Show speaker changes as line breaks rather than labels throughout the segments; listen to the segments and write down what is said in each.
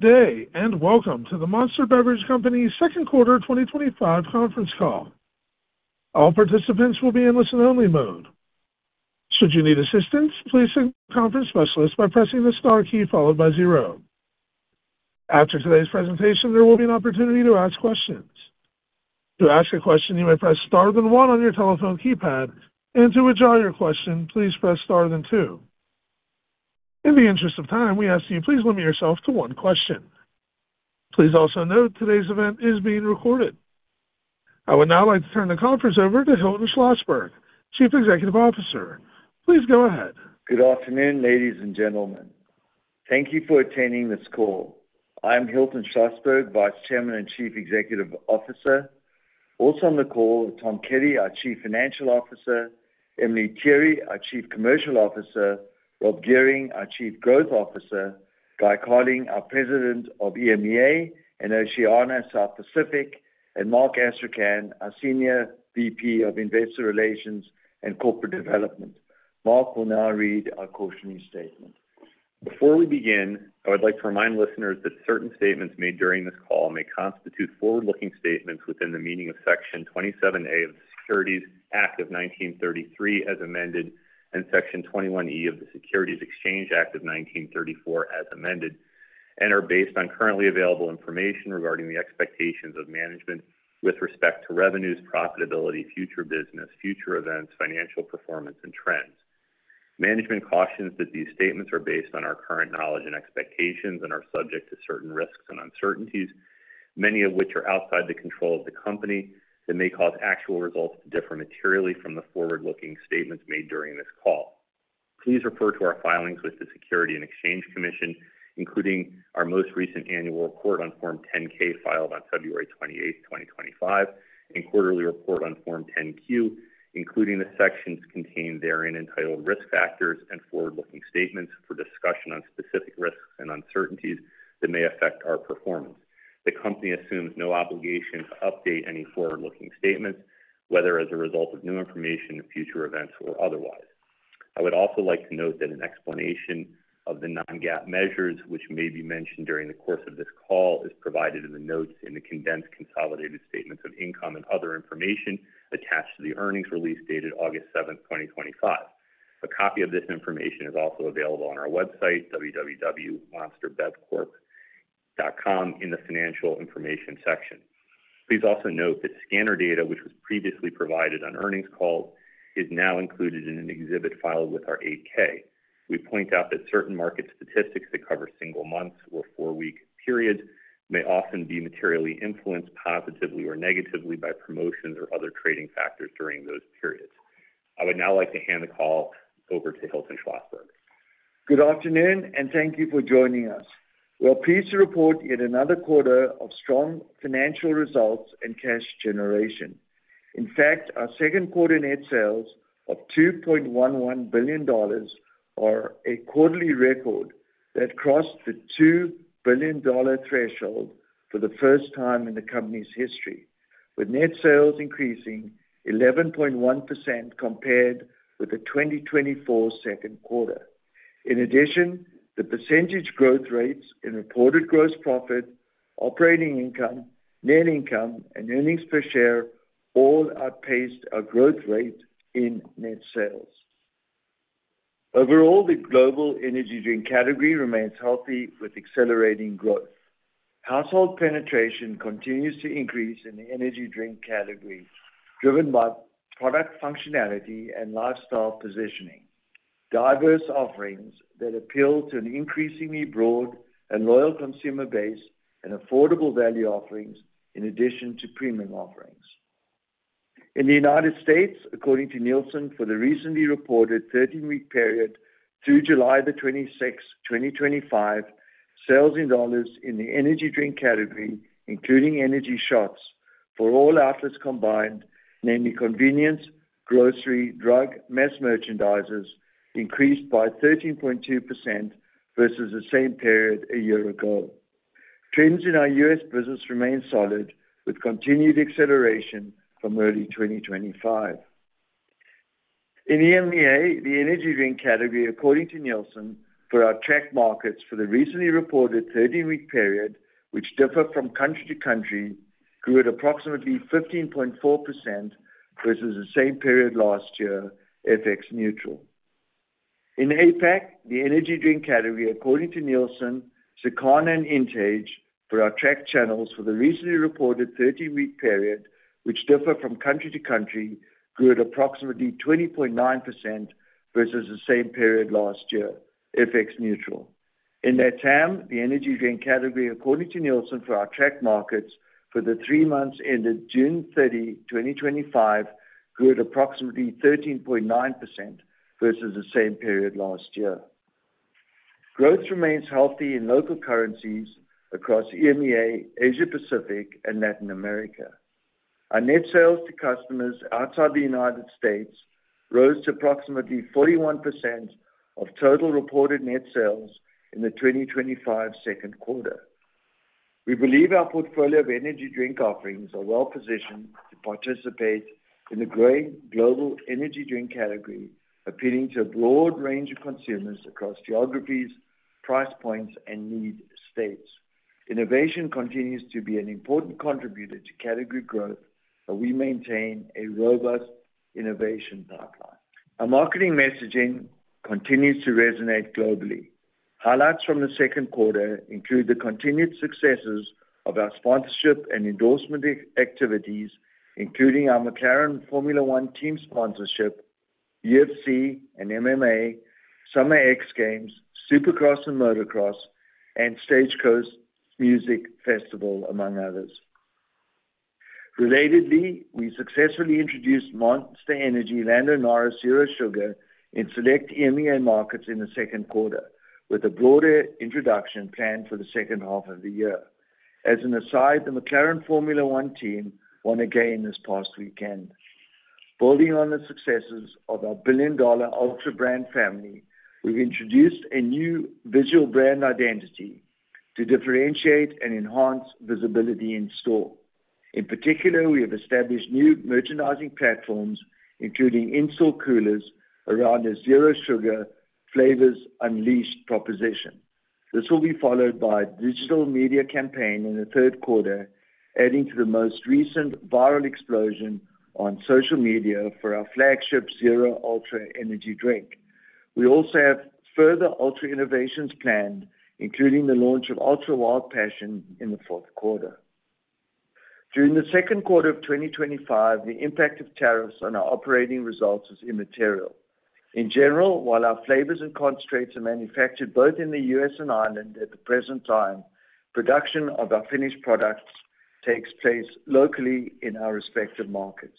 Today, and welcome to the Monster Beverage Company's second quarter 2025 conference call. All participants will be in listen-only mode. Should you need assistance, please signal the conference specialist by pressing the star key followed by zero. After today's presentation, there will be an opportunity to ask questions. To ask a question, you may press star then one on your telephone keypad, and to withdraw your question, please press star then two. In the interest of time, we ask that you please limit yourself to one question. Please also note today's event is being recorded. I would now like to turn the conference over to Hilton Schlosberg, Chief Executive Officer. Please go ahead.
Good afternoon, ladies and gentlemen. Thank you for attending this call. I'm Hilton Schlosberg, Vice Chairman and Chief Executive Officer. Also on the call are Tom Kelly, our Chief Financial Officer; Emelie Tirre, our Chief Commercial Officer; Rob Gehring, our Chief Growth Officer; Guy Carling, our President of EMEA and Oceania, South Pacific; and Mark Astrachan, our Senior VP of Investor Relations and Corporate Development. Mark will now read our cautionary statement.
Before we begin, I would like to remind listeners that certain statements made during this call may constitute forward-looking statements within the meaning of Section 27A of the Securities Act of 1933 as amended and Section 21E of the Securities Exchange Act of 1934 as amended, and are based on currently available information regarding the expectations of management with respect to revenues, profitability, future business, future events, financial performance, and trends. Management cautions that these statements are based on our current knowledge and expectations and are subject to certain risks and uncertainties, many of which are outside the control of the company, that may cause actual results to differ materially from the forward-looking statements made during this call. Please refer to our filings with the Securities and Exchange Commission, including our most recent annual report on Form 10-K filed on February 28, 2025, and quarterly report on Form 10-Q, including the sections contained therein entitled Risk Factors and Forward-Looking Statements for discussion on specific risks and uncertainties that may affect our performance. The company assumes no obligation to update any forward-looking statements, whether as a result of new information, future events, or otherwise. I would also like to note that an explanation of the non-GAAP measures, which may be mentioned during the course of this call, is provided in the notes in the condensed consolidated statements of income and other information attached to the earnings release dated August 7, 2025. A copy of this information is also available on our website, www.monsterbevcorp.com, in the financial information section. Please also note that the scanner data, which was previously provided on earnings calls, is now included in an exhibit filed with our 8-K. We point out that certain market statistics that cover single months or four-week periods may often be materially influenced positively or negatively by promotions or other trading factors during those periods. I would now like to hand the call over to Hilton Schlosberg.
Good afternoon, and thank you for joining us. We are pleased to report yet another quarter of strong financial results and cash generation. In fact, our second quarter net sales of $2.11 billion are a quarterly record that crossed the $2 billion threshold for the first time in the company's history, with net sales increasing 11.1% compared with the 2024 second quarter. In addition, the percentage growth rates in reported gross profit, operating income, net income, and earnings per share all outpaced our growth rate in net sales. Overall, the global energy drink category remains healthy, with accelerating growth. Household penetration continues to increase in the energy drink category, driven by product functionality and lifestyle positioning. Diverse offerings that appeal to an increasingly broad and loyal consumer base and affordable value offerings in addition to premium offerings. In the U.S., according to Nielsen for the recently reported 13-week period, through July 26, 2025, sales in dollars in the energy drink category, including energy shots for all outlets combined, namely convenience, grocery, drug, and mass merchandisers, increased by 13.2% versus the same period a year ago. Trends in our U.S. business remain solid, with continued acceleration from early 2025. In EMEA, the energy drink category, according to Nielsen, for our tracked markets for the recently reported 13-week period, which differ from country to country, grew at approximately 15.4% versus the same period last year, FX neutral. In APAC, the energy drink category, according to Nielsen, Circana and INTAGE for our tracked channels for the recently reported 13-week period, which differ from country to country, grew at approximately 20.9% versus the same period last year, FX neutral. In the TAM, the energy drink category, according to Nielsen for our tracked markets for the three months ended June 30, 2025, grew at approximately 13.9% versus the same period last year. Growth remains healthy in local currencies across EMEA, Asia-Pacific, and Latin America. Our net sales to customers outside the United States rose to approximately 41% of total reported net sales in the 2025 second quarter. We believe our portfolio of energy drink offerings are well positioned to participate in the growing global energy drink category, appealing to a broad range of consumers across geographies, price points, and need states. Innovation continues to be an important contributor to category growth, and we maintain a robust innovation pipeline. Our marketing messaging continues to resonate globally. Highlights from the second quarter include the continued successes of our sponsorship and endorsement activities, including our McLaren Formula One team sponsorship, UFC and MMA, Summer X Games, Supercross and Motocross, and Stagecoach Music Festival, among others. Relatedly, we successfully introduced Monster Energy Lando Norris Zero Sugar in select EMEA markets in the second quarter, with a broader introduction planned for the second half of the year. As an aside, the McLaren Formula One team won again this past weekend. Building on the successes of our billion-dollar Ultra brand family, we've introduced a new visual brand identity to differentiate and enhance visibility in store. In particular, we have established new merchandising platforms, including in-store coolers around the Zero Sugar flavors unleashed proposition. This will be followed by a digital media campaign in the third quarter, adding to the most recent viral explosion on social media for our flagship Zero Ultra Energy drink. We also have further Ultra innovations planned, including the launch of Ultra Wild Passion in the fourth quarter. During the second quarter of 2025, the impact of tariffs on our operating results is immaterial. In general, while our flavors and concentrates are manufactured both in the U.S. and Ireland at the present time, production of our finished products takes place locally in our respective markets.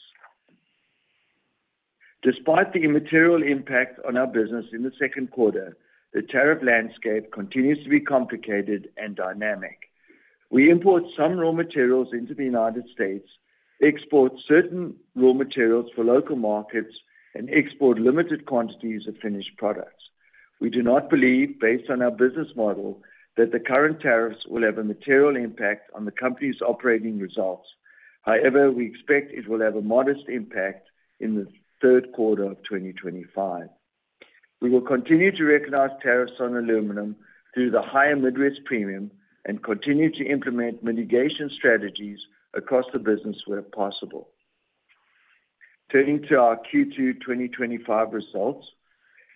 Despite the immaterial impact on our business in the second quarter, the tariff landscape continues to be complicated and dynamic. We import some raw materials into the United States, export certain raw materials for local markets, and export limited quantities of finished products. We do not believe, based on our business model, that the current tariffs will have a material impact on the company's operating results. However, we expect it will have a modest impact in the third quarter of 2025. We will continue to recognize tariffs on aluminum through the higher Midwest Premium and continue to implement mitigation strategies across the business where possible. Turning to our Q2 2025 results,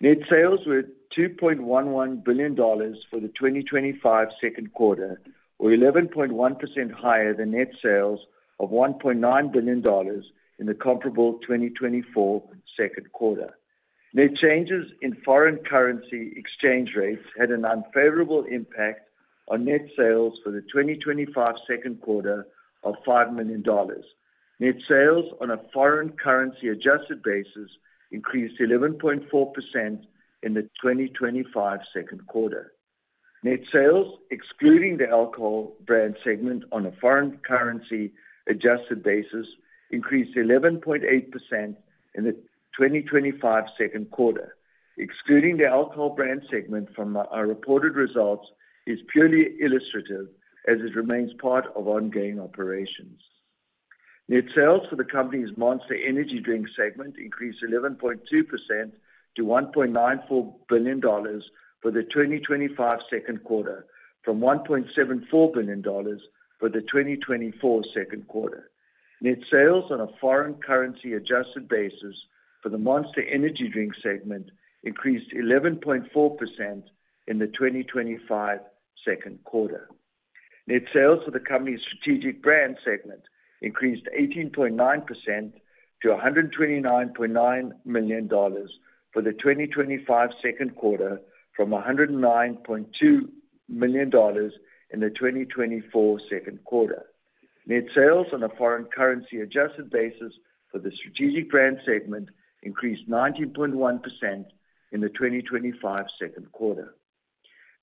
net sales were $2.11 billion for the 2025 second quarter, or 11.1% higher than net sales of $1.9 billion in the comparable 2024 second quarter. Net changes in foreign currency exchange rates had an unfavorable impact on net sales for the 2025 second quarter of $5 million. Net sales on a foreign currency adjusted basis increased 11.4% in the 2025 second quarter. Net sales, excluding the alcohol brand segment on a foreign currency adjusted basis, increased 11.8% in the 2025 second quarter. Excluding the alcohol brand segment from our reported results is purely illustrative as it remains part of ongoing operations. Net sales for the company's Monster Energy drink segment increased 11.2% to $1.94 billion for the 2025 second quarter, from $1.74 billion for the 2024 second quarter. Net sales on a foreign currency adjusted basis for the Monster Energy drink segment increased 11.4% in the 2025 second quarter. Net sales for the company's strategic brand segment increased 18.9% to $129.9 million for the 2025 second quarter, from $109.2 million in the 2024 second quarter. Net sales on a foreign currency adjusted basis for the strategic brand segment increased 19.1% in the 2025 second quarter.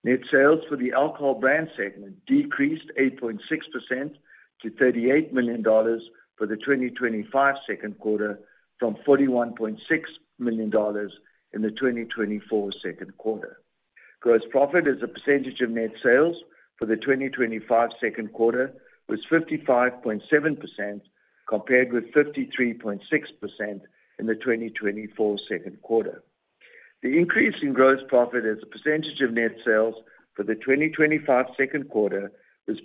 Net sales for the alcohol brand segment decreased 8.6% to $38 million for the 2025 second quarter, from $41.6 million in the 2024 second quarter. Gross profit as a percentage of net sales for the 2025 second quarter was 55.7% compared with 53.6% in the 2024 second quarter. The increase in gross profit as a percentage of net sales for the 2025 second quarter was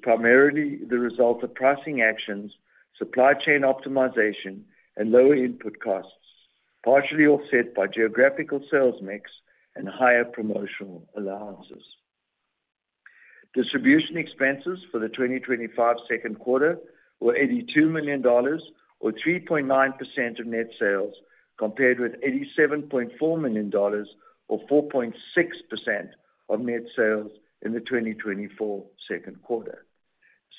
primarily the result of pricing actions, supply chain optimization, and lower input costs, partially offset by geographical sales mix and higher promotional allowances. Distribution expenses for the 2025 second quarter were $82 million, or 3.9% of net sales, compared with $87.4 million, or 4.6% of net sales in the 2024 second quarter.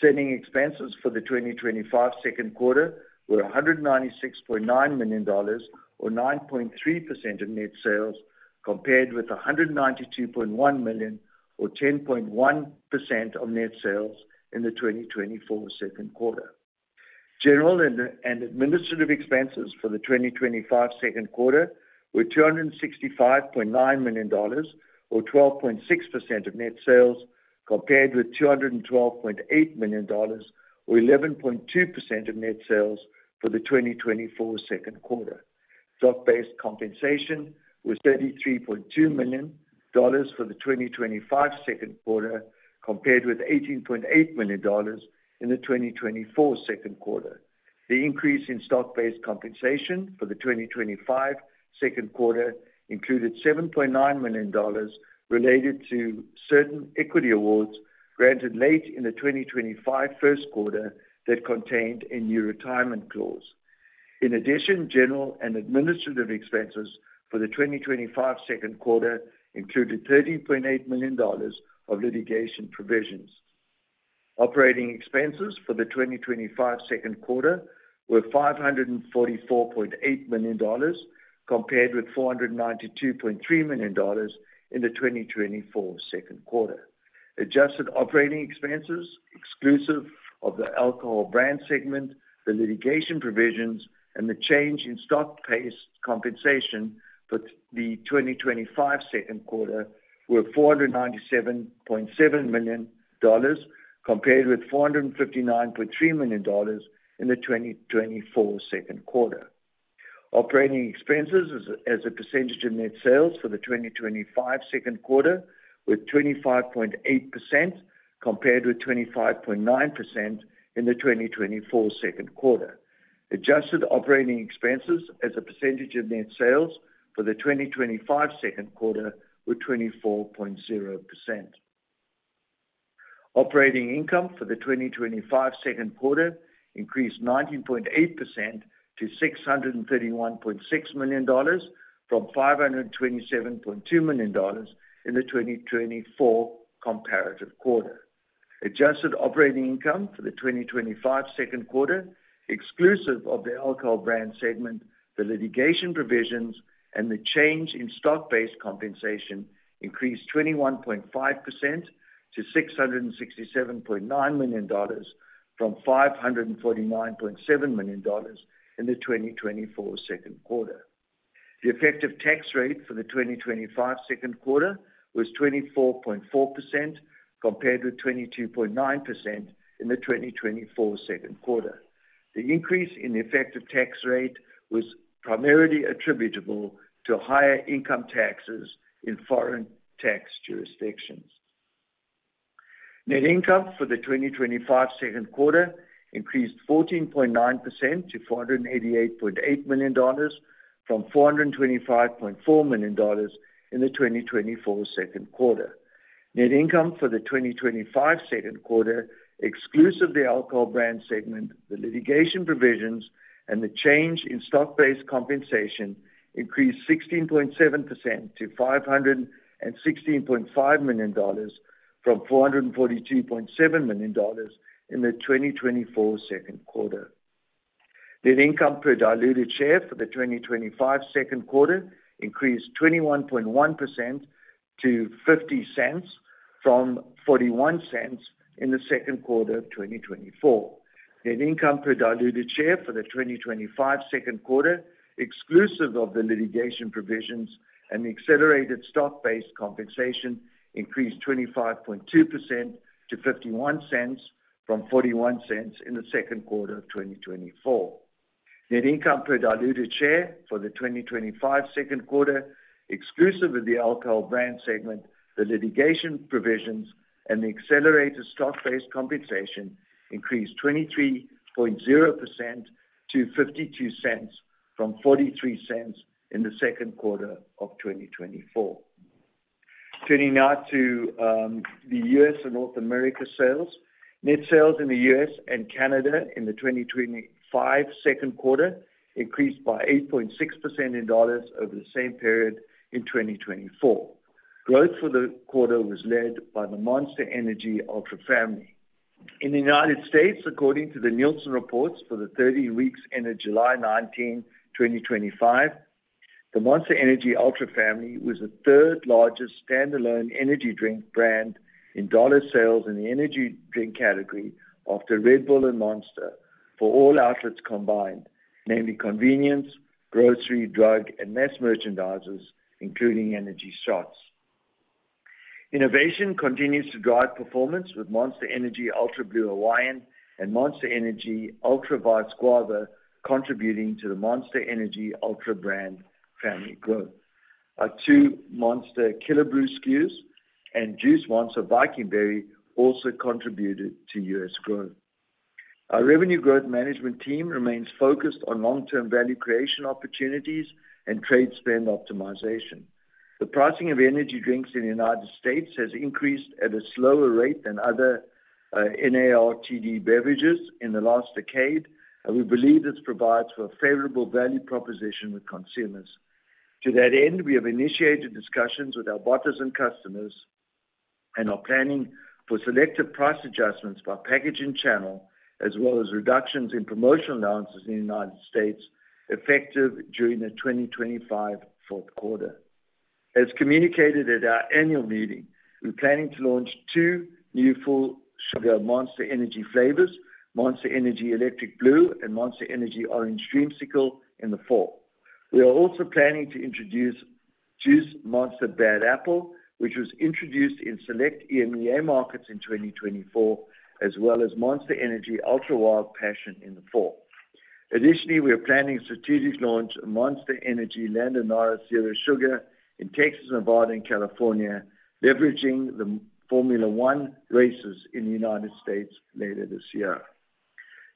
Selling expenses for the 2025 second quarter were $196.9 million, or 9.3% of net sales, compared with $192.1 million, or 10.1% of net sales in the 2024 second quarter. General and administrative expenses for the 2025 second quarter were $265.9 million, or 12.6% of net sales, compared with $212.8 million, or 11.2% of net sales for the 2024 second quarter. Stock-based compensation was $33.2 million for the 2025 second quarter, compared with $18.8 million in the 2024 second quarter. The increase in stock-based compensation for the 2025 second quarter included $7.9 million related to certain equity awards granted late in the 2025 first quarter that contained a new retirement clause. In addition, general and administrative expenses for the 2025 second quarter included $30.8 million of litigation provisions. Operating expenses for the 2025 second quarter were $544.8 million, compared with $492.3 million in the 2024 second quarter. Adjusted operating expenses exclusive of the alcohol brand segment, the litigation provisions, and the change in stock-based compensation for the 2025 second quarter were $497.7 million, compared with $459.3 million in the 2024 second quarter. Operating expenses as a percentage of net sales for the 2025 second quarter were 25.8%, compared with 25.9% in the 2024 second quarter. Adjusted operating expenses as a percentage of net sales for the 2025 second quarter were 24.0%. Operating income for the 2025 second quarter increased 19.8% to $631.6 million, from $527.2 million in the 2024 comparative quarter. Adjusted operating income for the 2025 second quarter, exclusive of the alcohol brand segment, the litigation provisions, and the change in stock-based compensation, increased 21.5% to $667.9 million, from $549.7 million in the 2024 second quarter. The effective tax rate for the 2025 second quarter was 24.4%, compared with 22.9% in the 2024 second quarter. The increase in the effective tax rate was primarily attributable to higher income taxes in foreign tax jurisdictions. Net income for the 2025 second quarter increased 14.9% to $488.8 million, from $425.4 million in the 2024 second quarter. Net income for the 2025 second quarter, exclusive of the alcohol brand segment, the litigation provisions, and the change in stock-based compensation, increased 16.7% to $516.5 million, from $442.7 million in the 2024 second quarter. Net income per diluted share for the 2025 second quarter increased 21.1% to $0.50, from $0.41 in the second quarter of 2024. Net income per diluted share for the 2025 second quarter, exclusive of the litigation provisions and the accelerated stock-based compensation, increased 25.2% to $0.51, from $0.41 in the second quarter of 2024. Net income per diluted share for the 2025 second quarter, exclusive of the alcohol brand segment, the litigation provisions, and the accelerated stock-based compensation, increased 23.0% to $0.52, from $0.43 in the second quarter of 2024. Turning now to the U.S. and North America sales, net sales in the U.S. and Canada in the 2025 second quarter increased by 8.6% in dollars over the same period in 2024. Growth for the quarter was led by the Monster Energy Ultra family. In the U.S., according to the Nielsen reports for the 30 weeks ended July 19, 2025, the Monster Energy Ultra family was the third largest standalone energy drink brand in dollar sales in the energy drink category after Red Bull and Monster for all outlets combined, namely convenience, grocery, drug, and mass merchandisers, including energy shots. Innovation continues to drive performance with Monster Energy Ultra Blue Hawaiian and Monster Energy Ultra Vice Guava, contributing to the Monster Energy Ultra brand family growth. Our two Monster Killer Blue SKUs and Juice Monster Viking Berry also contributed to U.S. growth. Our revenue growth management team remains focused on long-term value creation opportunities and trade spend optimization. The pricing of energy drinks in the U.S. has increased at a slower rate than other NARTD beverages in the last decade, and we believe this provides for a favorable value proposition with consumers. To that end, we have initiated discussions with our bottlers and customers and are planning for selective price adjustments by packaging channel, as well as reductions in promotional allowances in the U.S., effective during the 2025 fourth quarter. As communicated at our annual meeting, we're planning to launch two new full Monster Energy flavors, Monster Energy Electric Blue and Monster Energy Orange Dream Cycle, in the fall. We are also planning to introduce Juice Monster Bad Apple, which was introduced in select EMEA markets in 2024, as well as Monster Energy Ultra Wild Passion in the fall. Additionally, we are planning a strategic launch of Monster Energy Lando Norris Zero Sugar in Texas, Nevada, and California, leveraging the Formula One races in the U.S. later this year.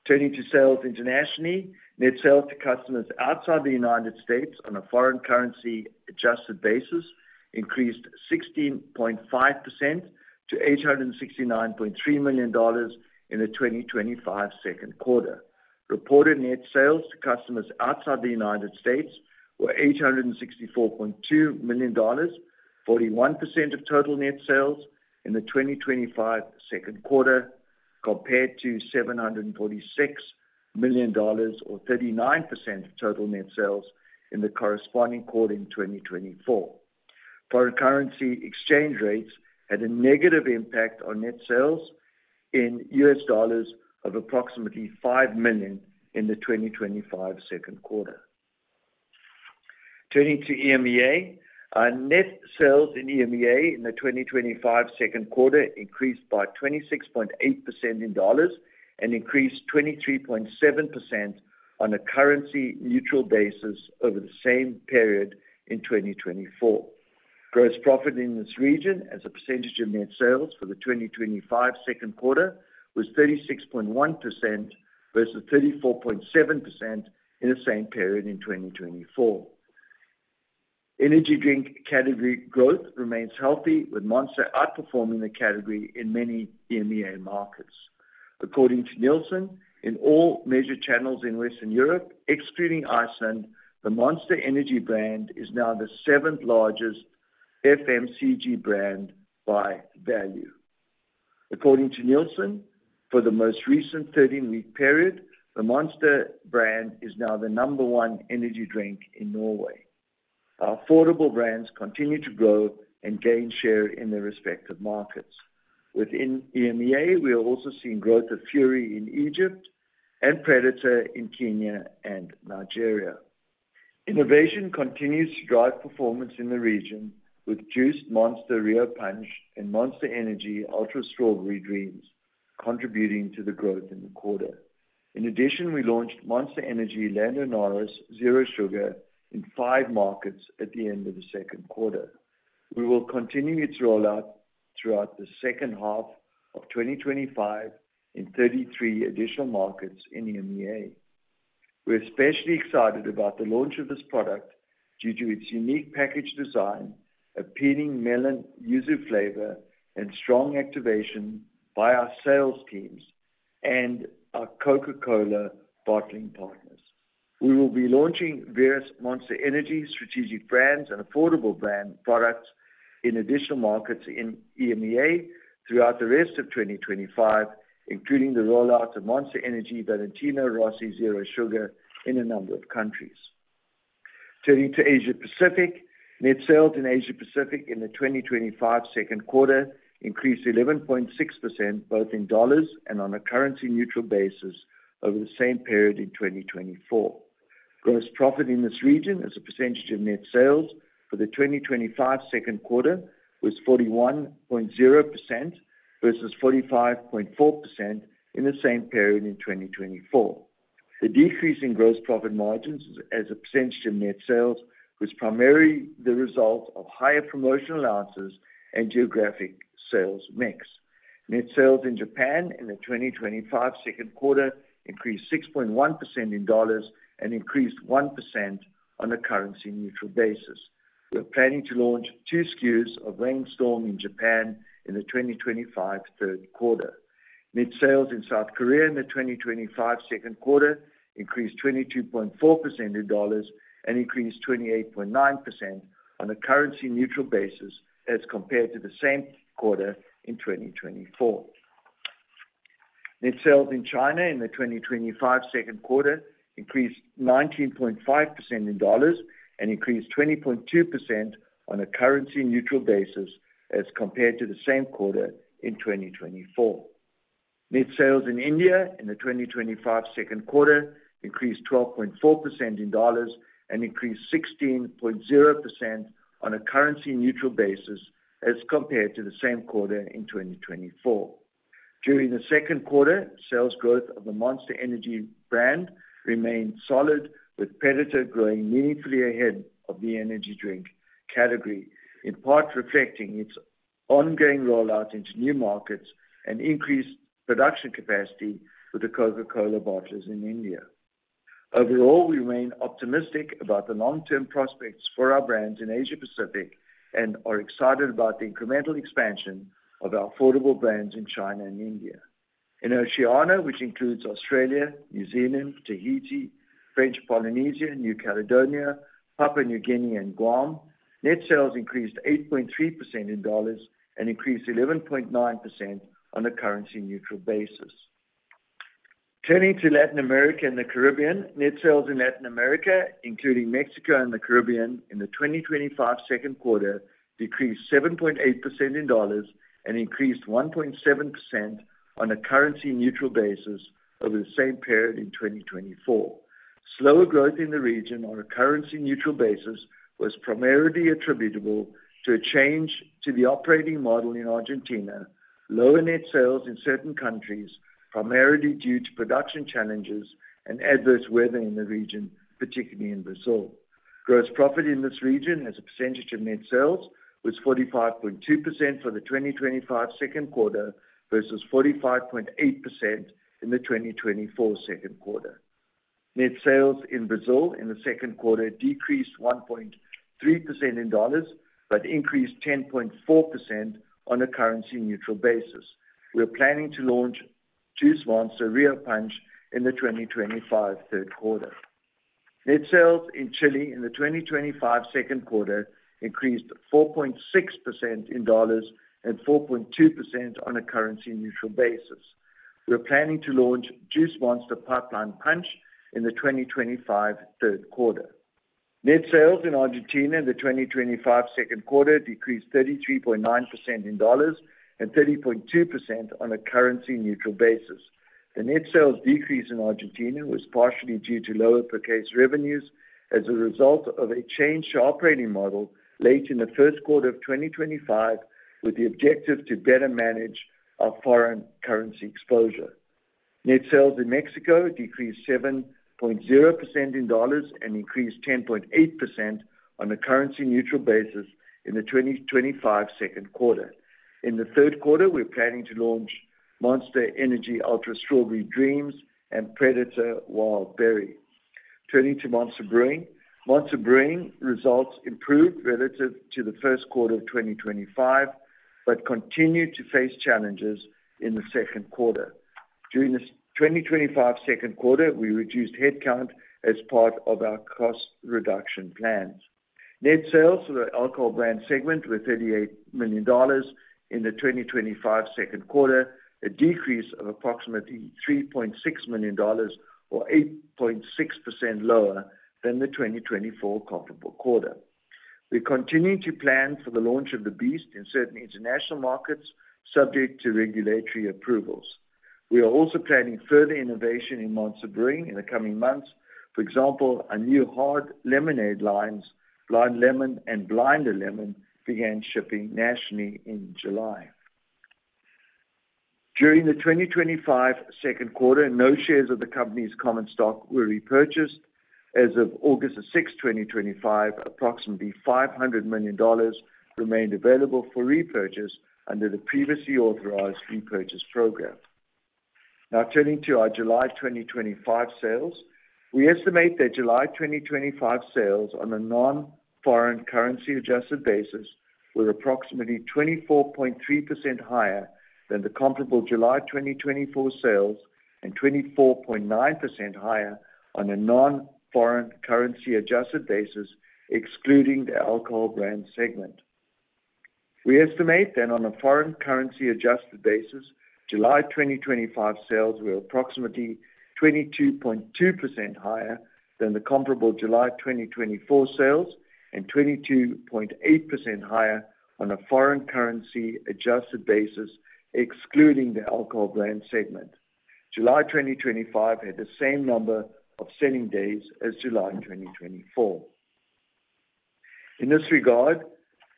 Turning to sales internationally, net sales to customers outside the U.S. on a foreign currency adjusted basis increased 16.5% to $869.3 million in the 2025 second quarter. Reported net sales to customers outside the U.S. were $864.2 million, 41% of total net sales in the 2025 second quarter, compared to $746 million, or 39% of total net sales in the corresponding quarter in 2024. Foreign currency exchange rates had a negative impact on net sales in U.S. dollars of approximately $5 million in the 2025 second quarter. Turning to EMEA, net sales in EMEA in the 2025 second quarter increased by 26.8% in dollars and increased 23.7% on a currency neutral basis over the same period in 2024. Gross profit in this region as a percentage of net sales for the 2025 second quarter was 36.1% versus 34.7% in the same period in 2024. Energy drink category growth remains healthy, with Monster outperforming the category in many EMEA markets. According to Nielsen, in all major channels in Western Europe, excluding Iceland, the Monster Energy brand is now the seventh largest FMCG brand by value. According to Nielsen, for the most recent 13-week period, the Monster brand is now the number one energy drink in Norway. Our affordable brands continue to grow and gain share in their respective markets. Within EMEA, we are also seeing growth of Fury in Egypt and Predator in Kenya and Nigeria. Innovation continues to drive performance in the region, with Juice Monster Rio Punch and Monster Energy Ultra Strawberry Dreams contributing to the growth in the quarter. In addition, we launched Monster Energy Lando Norris Zero Sugar in five markets at the end of the second quarter. We will continue its rollout throughout the second half of 2025 in 33 additional markets in EMEA. We're especially excited about the launch of this product due to its unique package design, appealing melon yuzu flavor, and strong activation by our sales teams and our Coca-Cola bottling partners. We will be launching various Monster Energy strategic brands and affordable brand products in additional markets in EMEA throughout the rest of 2025, including the rollout of Monster Energy Valentino Rossi Zero Sugar in a number of countries. Turning to Asia-Pacific, net sales in Asia-Pacific in the 2025 second quarter increased 11.6%, both in dollars and on a currency neutral basis over the same period in 2024. Gross profit in this region as a percentage of net sales for the 2025 second quarter was 41.0% versus 45.4% in the same period in 2024. The decrease in gross profit margins as a percentage of net sales was primarily the result of higher promotional allowances and geographic sales mix. Net sales in Japan in the 2025 second quarter increased 6.1% in dollars and increased 1% on a currency neutral basis. We're planning to launch two SKUs of Rainstorm in Japan in the 2025 third quarter. Net sales in South Korea in the 2025 second quarter increased 22.4% in dollars and increased 28.9% on a currency neutral basis as compared to the same quarter in 2024. Net sales in China in the 2025 second quarter increased 19.5% in dollars and increased 20.2% on a currency neutral basis as compared to the same quarter in 2024. Net sales in India in the 2025 second quarter increased 12.4% in dollars and increased 16.0% on a currency neutral basis as compared to the same quarter in 2024. During the second quarter, sales growth of the Monster Energy brand remained solid, with Predator growing meaningfully ahead of the energy drink category, in part reflecting its ongoing rollout into new markets and increased production capacity for the Coca-Cola bottlers in India. Overall, we remain optimistic about the long-term prospects for our brands in Asia-Pacific and are excited about the incremental expansion of our affordable brands in China and India. In Oceania, which includes Australia, New Zealand, Tahiti, French Polynesia, New Caledonia, Papua New Guinea, and Guam, net sales increased 8.3% in dollars and increased 11.9% on a currency neutral basis. Turning to Latin America and the Caribbean, net sales in Latin America, including Mexico and the Caribbean, in the 2025 second quarter decreased 7.8% in dollars and increased 1.7% on a currency neutral basis over the same period in 2024. Slower growth in the region on a currency neutral basis was primarily attributable to a change to the operating model in Argentina, lower net sales in certain countries, primarily due to production challenges and adverse weather in the region, particularly in Brazil. Gross profit in this region as a percentage of net sales was 45.2% for the 2025 second quarter versus 45.8% in the 2024 second quarter. Net sales in Brazil in the second quarter decreased 1.3% in dollars but increased 10.4% on a currency neutral basis. We're planning to launch Juice Monster Rio Punch in the 2025 third quarter. Net sales in Chile in the 2025 second quarter increased 4.6% in dollars and 4.2% on a currency neutral basis. We're planning to launch Juice Monster Pipeline Punch in the 2025 third quarter. Net sales in Argentina in the 2025 second quarter decreased 33.9% in dollars and 30.2% on a currency neutral basis. The net sales decrease in Argentina was partially due to lower per case revenues as a result of a change to operating model late in the first quarter of 2025 with the objective to better manage our foreign currency exposure. Net sales in Mexico decreased 7.0% in dollars and increased 10.8% on a currency neutral basis in the 2025 second quarter. In the third quarter, we're planning to launch Monster Energy Ultra Strawberry Dreams and Predator Wild Berry. Turning to Monster Brewing, Monster Brewing results improved relative to the first quarter of 2025 but continue to face challenges in the second quarter. During the 2025 second quarter, we reduced headcount as part of our cost reduction plans. Net sales for the alcohol brand segment were $38 million in the 2025 second quarter, a decrease of approximately $3.6 million, or 8.6% lower than the 2024 comparable quarter. We continue to plan for the launch of The Beast in certain international markets subject to regulatory approvals. We are also planning further innovation in Monster Brewing in the coming months. For example, our new hard lemonade lines, Blind Lemon and Blinder Lemon, began shipping nationally in July. During the 2025 second quarter, no shares of the company's common stock were repurchased. As of August 6, 2025, approximately $500 million remained available for repurchase under the previously authorized repurchase program. Now turning to our July 2025 sales, we estimate that July 2025 sales on a non-foreign currency adjusted basis were approximately 24.3% higher than the comparable July 2024 sales and 24.9% higher on a non-foreign currency adjusted basis, excluding the alcohol brand segment. We estimate that on a foreign currency adjusted basis, July 2025 sales were approximately 22.2% higher than the comparable July 2024 sales and 22.8% higher on a foreign currency adjusted basis, excluding the alcohol brand segment. July 2025 had the same number of selling days as July 2024. In this regard,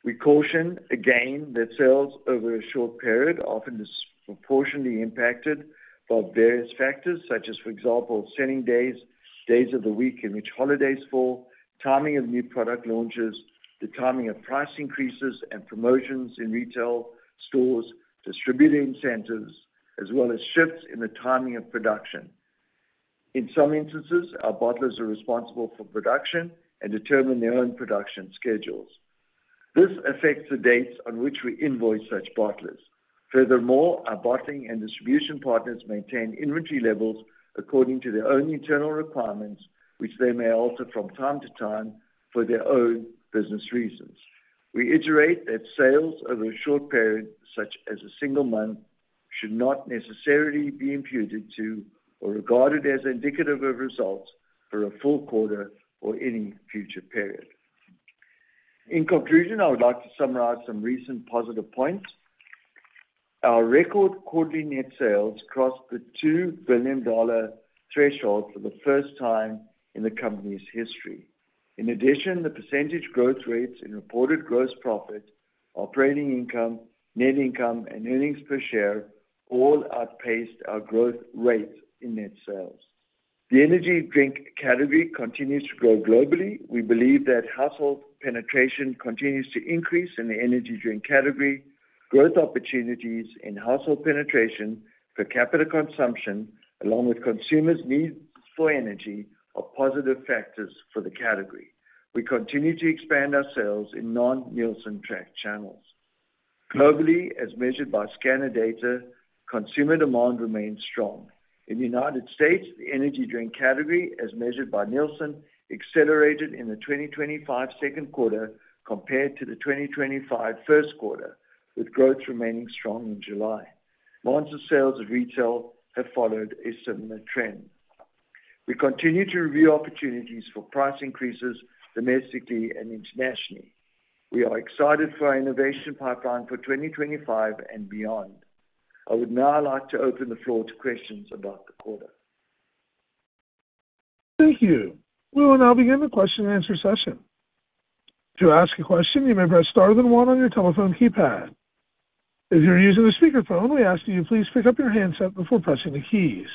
we caution again that sales over a short period often are proportionately impacted by various factors, such as, for example, selling days, days of the week in which holidays fall, timing of new product launches, the timing of price increases and promotions in retail stores, distributor incentives, as well as shifts in the timing of production. In some instances, our bottlers are responsible for production and determine their own production schedules. This affects the dates on which we invoice such bottlers. Furthermore, our bottling and distribution partners maintain inventory levels according to their own internal requirements, which they may alter from time to time for their own business reasons. We iterate that sales over a short period, such as a single month, should not necessarily be imputed to or regarded as indicative of results for a full quarter or any future period. In conclusion, I would like to summarize some recent positive points. Our record quarterly net sales crossed the $2 billion threshold for the first time in the company's history. In addition, the percentage growth rates in reported gross profit, operating income, net income, and earnings per share all outpaced our growth rates in net sales. The energy drink category continues to grow globally. We believe that household penetration continues to increase in the energy drink category. Growth opportunities in household penetration per capita consumption, along with consumers' need for energy, are positive factors for the category. We continue to expand ourselves in non-Nielsen track channels. Globally, as measured by scanner data, consumer demand remains strong. In the U.S., the energy drink category, as measured by Nielsen, accelerated in the 2025 second quarter compared to the 2025 first quarter, with growth remaining strong in July. Monster sales of retail have followed a similar trend. We continue to review opportunities for price increases domestically and internationally. We are excited for our innovation pipeline for 2025 and beyond. I would now like to open the floor to questions about the quarter.
Thank you. We will now begin the question and answer session. To ask a question, you may press star then one on your telephone keypad. If you're using a speakerphone, we ask that you please pick up your handset before pressing the keys.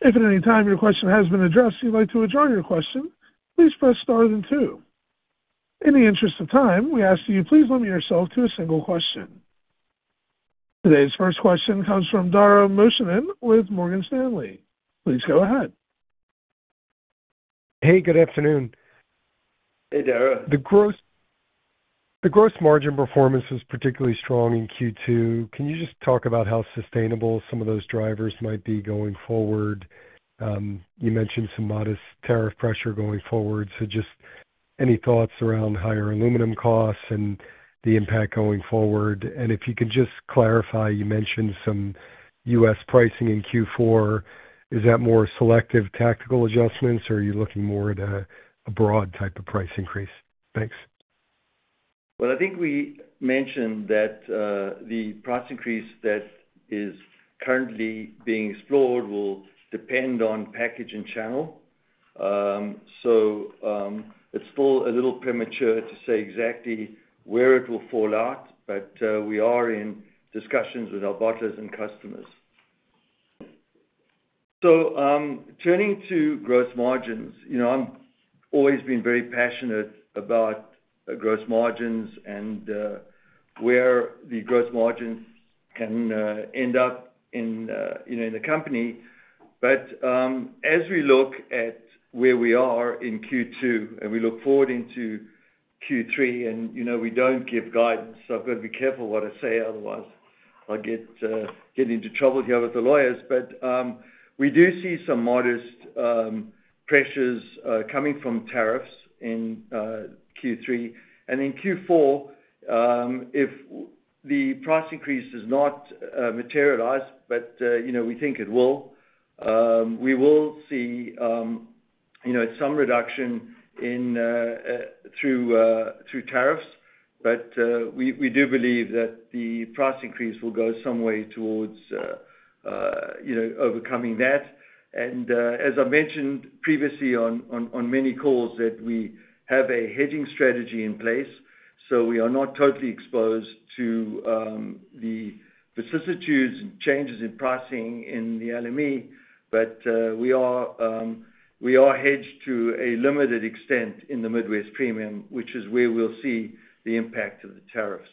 If at any time your question has been addressed or you'd like to withdraw your question, please press star then two. In the interest of time, we ask that you please limit yourself to a single question. Today's first question comes from Dara Mohsenian with Morgan Stanley. Please go ahead.
Hey, good afternoon.
Hey, Dara.
The gross margin performance is particularly strong in Q2. Can you just talk about how sustainable some of those drivers might be going forward? You mentioned some modest tariff pressure going forward. Just any thoughts around higher aluminum costs and the impact going forward? If you could just clarify, you mentioned some U.S. pricing in Q4. Is that more selective tactical adjustments, or are you looking more at a broad type of price increase? Thanks.
I think we mentioned that the price increase that is currently being explored will depend on package and channel. It's still a little premature to say exactly where it will fall out, but we are in discussions with our bottlers and customers. Turning to gross margins, you know I've always been very passionate about gross margins and where the gross margins can end up in the company. As we look at where we are in Q2 and we look forward into Q3, and you know we don't give guidance, so I've got to be careful what I say otherwise I get into trouble here with the lawyers. We do see some modest pressures coming from tariffs in Q3. In Q4, if the price increase does not materialize, but you know we think it will, we will see some reduction through tariffs. We do believe that the price increase will go some way towards overcoming that. As I mentioned previously on many calls, we have a hedging strategy in place. We are not totally exposed to the vicissitudes and changes in pricing in the LME. We are hedged to a limited extent in the Midwest Premium, which is where we'll see the impact of the tariffs.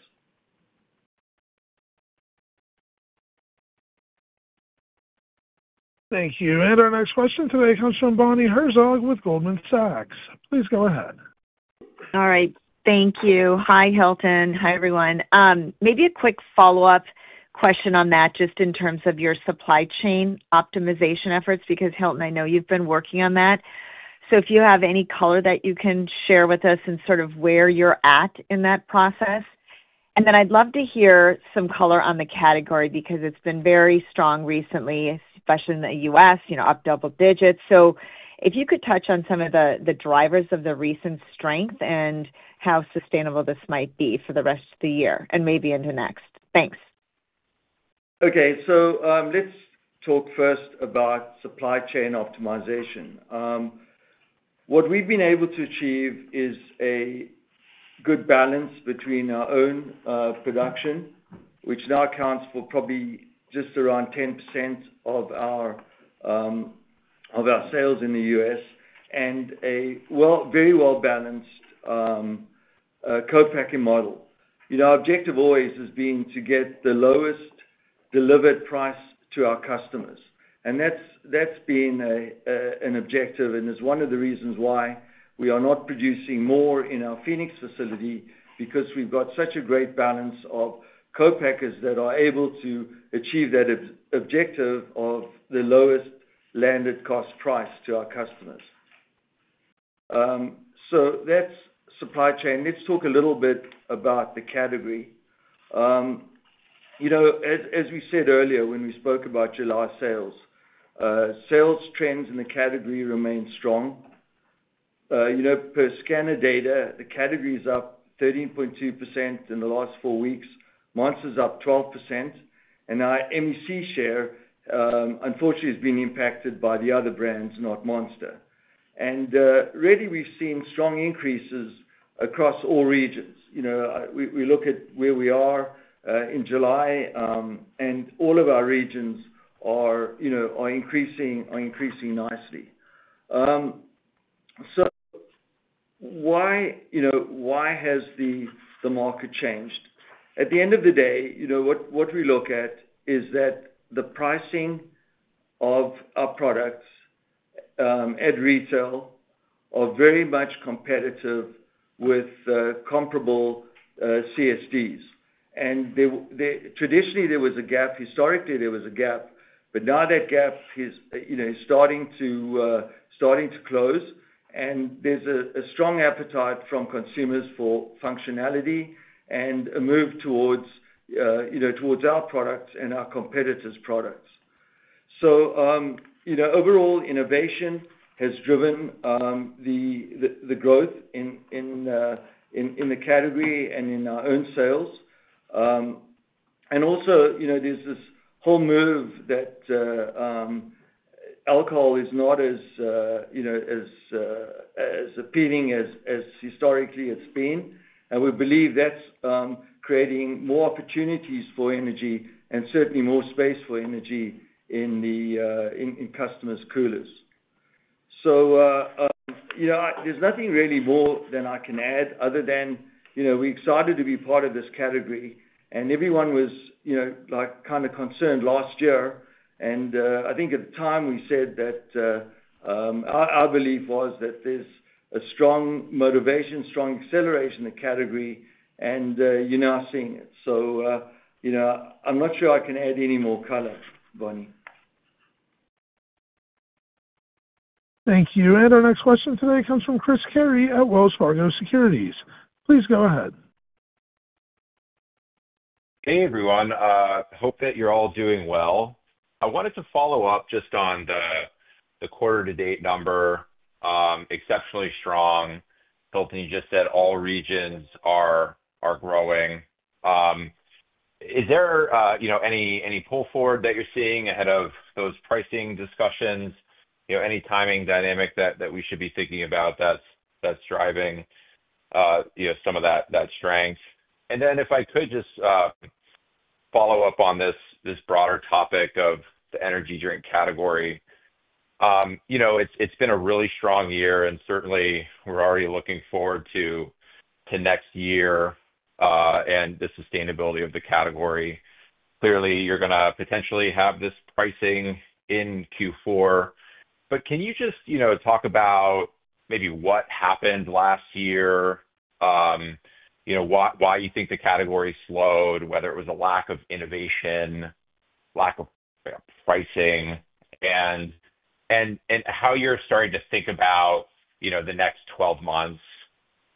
Thank you. Our next question today comes from Bonnie Herzog with Goldman Sachs. Please go ahead.
All right. Thank you. Hi, Hilton. Hi, everyone. Maybe a quick follow-up question on that, just in terms of your supply chain optimization efforts, because Hilton, I know you've been working on that. If you have any color that you can share with us and sort of where you're at in that process, I'd love to hear some color on the category because it's been very strong recently, especially in the U.S., up double digits. If you could touch on some of the drivers of the recent strength and how sustainable this might be for the rest of the year and maybe into next. Thanks.
Okay. Let's talk first about supply chain optimization. What we've been able to achieve is a good balance between our own production, which now accounts for probably just around 10% of our sales in the U.S., and a very well-balanced co-packing model. Our objective always has been to get the lowest delivered price to our customers. That's been an objective and is one of the reasons why we are not producing more in our Phoenix facility, because we've got such a great balance of co-packers that are able to achieve that objective of the lowest landed cost price to our customers. That's supply chain. Let's talk a little bit about the category. As we said earlier when we spoke about July sales, sales trends in the category remain strong. Per scanner data, the category is up 13.2% in the last four weeks. Monster is up 12%. Our MEC share, unfortunately, has been impacted by the other brands, not Monster. We've seen strong increases across all regions. We look at where we are in July, and all of our regions are increasing nicely. Why has the market changed? At the end of the day, what we look at is that the pricing of our products at retail is very much competitive with comparable CSDs. Traditionally, there was a gap. Historically, there was a gap. Now that gap is starting to close. There's a strong appetite from consumers for functionality and a move towards our products and our competitors' products. Overall, innovation has driven the growth in the category and in our own sales. Also, there's this whole move that alcohol is not as appealing as historically it's been. We believe that's creating more opportunities for energy and certainly more space for energy in customers' coolers. There's nothing really more that I can add other than we're excited to be part of this category. Everyone was kind of concerned last year. I think at the time we said that our belief was that there's a strong motivation, strong acceleration in the category, and you're now seeing it. I'm not sure I can add any more color, Bonnie.
Thank you. Our next question today comes from Chris Carey at Wells Fargo Securities. Please go ahead.
Hey, everyone. I hope that you're all doing well. I wanted to follow up just on the quarter-to-date number. Exceptionally strong. Hilton, you just said all regions are growing. Is there any pull forward that you're seeing ahead of those pricing discussions? Any timing dynamic that we should be thinking about that's driving some of that strength? If I could just follow up on this broader topic of the energy drink category. You know it's been a really strong year, and certainly, we're already looking forward to next year and the sustainability of the category. Clearly, you're going to potentially have this pricing in Q4. Can you just talk about maybe what happened last year, you know why you think the category slowed, whether it was a lack of innovation, lack of pricing, and how you're starting to think about the next 12 months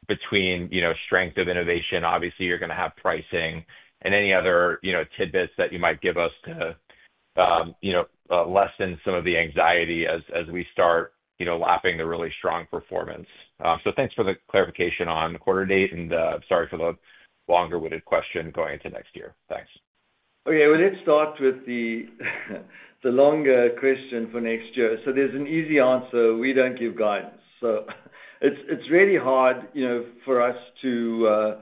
between strength of innovation? Obviously, you're going to have pricing and any other tidbits that you might give us to lessen some of the anxiety as we start lapping the really strong performance. Thanks for the clarification on the quarter-to-date and sorry for the longer-winded question going into next year. Thanks.
Okay. Let's start with the longer question for next year. There's an easy answer. We don't give guidance. It's really hard for us to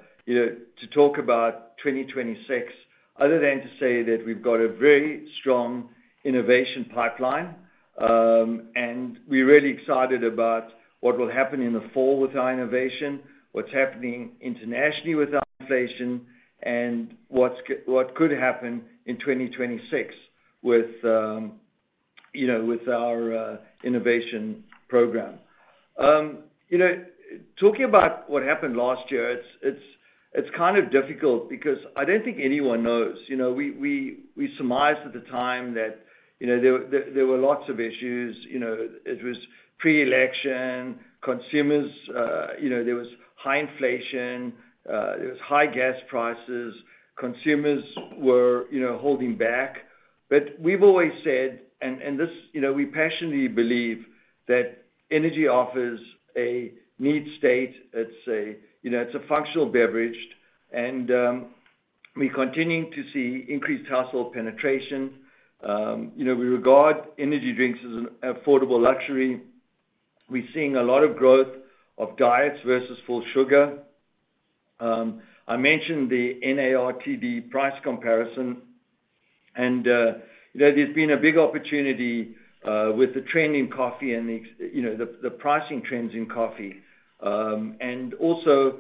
talk about 2026 other than to say that we've got a very strong innovation pipeline. We're really excited about what will happen in the fall with our innovation, what's happening internationally with our innovation, and what could happen in 2026 with our innovation program. Talking about what happened last year is kind of difficult because I don't think anyone knows. We surmised at the time that there were lots of issues. It was pre-election. There was high inflation. There were high gas prices. Consumers were holding back. We've always said, and we passionately believe, that energy offers a neat state. It's a functional beverage. We're continuing to see increased household penetration. We regard energy drinks as an affordable luxury. We're seeing a lot of growth of diets versus full sugar. I mentioned the NARTD price comparison. There's been a big opportunity with the trend in coffee and the pricing trends in coffee. Also,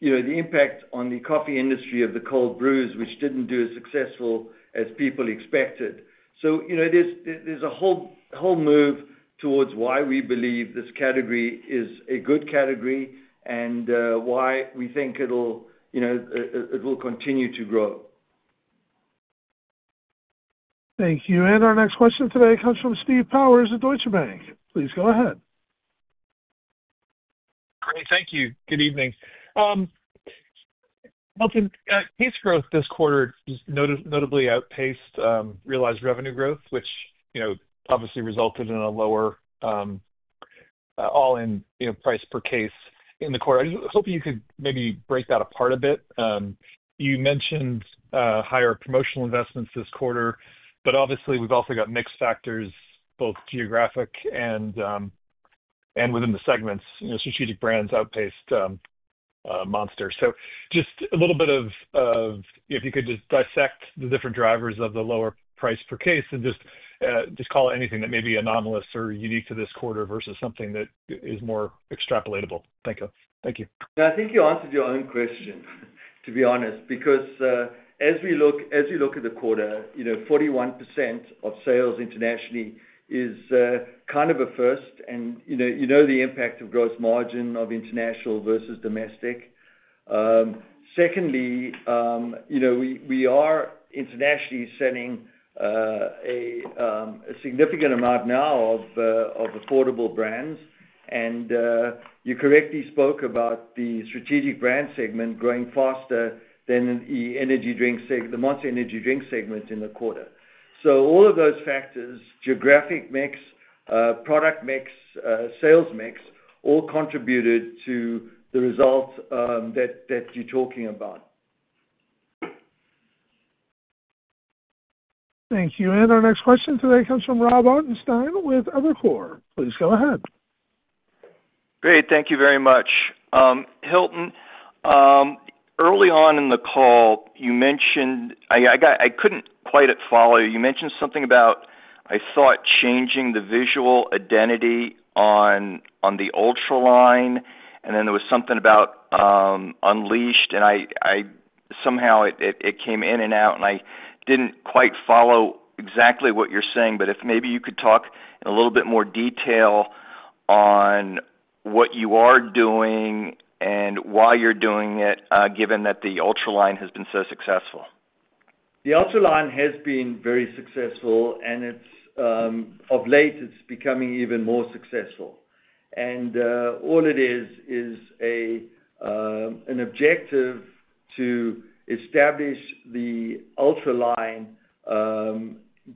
the impact on the coffee industry of the cold brews, which didn't do as successfully as people expected. There's a whole move towards why we believe this category is a good category and why we think it will continue to grow.
Thank you. Our next question today comes from Steve Powers at Deutsche Bank. Please go ahead.
Great. Thank you. Good evening. Hilton, case growth this quarter notably outpaced realized revenue growth, which obviously resulted in a lower all-in price per case in the quarter. I just hope you could maybe break that apart a bit. You mentioned higher promotional investments this quarter, but obviously, we've also got mix factors, both geographic and within the segments. Strategic brands outpaced Monster. If you could just dissect the different drivers of the lower price per case and just call anything that may be anomalous or unique to this quarter versus something that is more extrapolatable. Thank you.
I think you answered your own question, to be honest, because as we look at the quarter, you know 41% of sales internationally is kind of a first. You know the impact of gross margin of international versus domestic. Secondly, we are internationally selling a significant amount now of affordable brands. You correctly spoke about the strategic brand segment growing faster than the Monster Energy drink segment in the quarter. All of those factors, geographic mix, product mix, sales mix, all contributed to the results that you're talking about.
Thank you. Our next question today comes from Rob Ottenstein with Evercore. Please go ahead.
Great. Thank you very much. Hilton, early on in the call, you mentioned I couldn't quite follow. You mentioned something about, I saw it changing the visual identity on the Ultra line. There was something about unleashed. It came in and out. I didn't quite follow exactly what you're saying, but if maybe you could talk in a little bit more detail on what you are doing and why you're doing it, given that the Ultra line has been so successful.
The Ultra line has been very successful, and of late, it's becoming even more successful. All it is, is an objective to establish the Ultra line,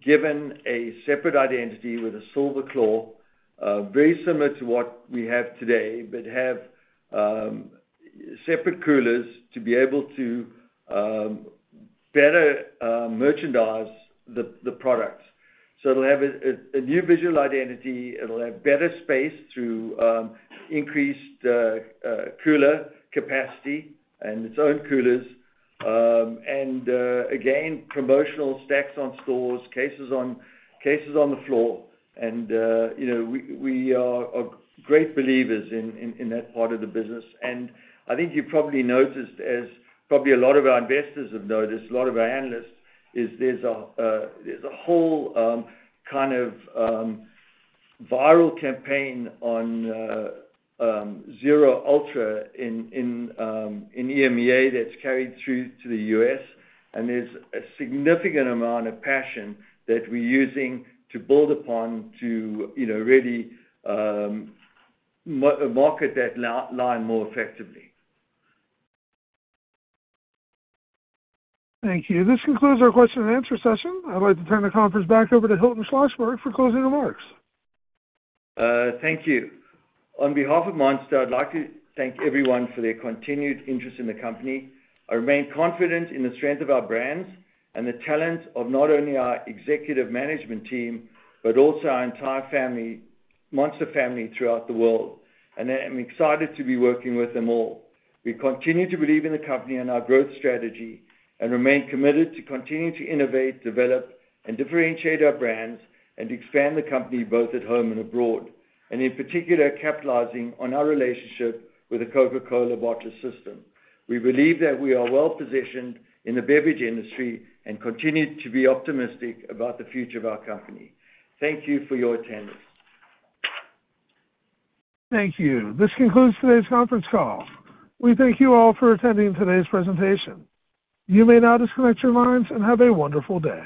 give it a separate identity with a silver claw, very similar to what we have today, but have separate coolers to be able to better merchandise the products. It will have a new visual identity. It will have better space through increased cooler capacity and its own coolers. Again, promotional stacks in stores, cases on the floor. You know we are great believers in that part of the business. I think you probably noticed, as probably a lot of our investors have noticed, a lot of our analysts, there's a whole kind of viral campaign on Zero Ultra in EMEA that's carried through to the U.S. There's a significant amount of passion that we're using to build upon to really market that line more effectively.
Thank you. This concludes our question and answer session. I'd like to turn the conference back over to Hilton Schlosberg for closing remarks.
Thank you. On behalf of Monster, I'd like to thank everyone for their continued interest in the company. I remain confident in the strength of our brands and the talent of not only our executive management team, but also our entire Monster family throughout the world. I'm excited to be working with them all. We continue to believe in the company and our growth strategy and remain committed to continuing to innovate, develop, and differentiate our brands and to expand the company both at home and abroad, in particular, capitalizing on our relationship with the Coca-Cola bottling system. We believe that we are well-positioned in the beverage industry and continue to be optimistic about the future of our company. Thank you for your attendance.
Thank you. This concludes today's conference call. We thank you all for attending today's presentation. You may now disconnect your lines and have a wonderful day.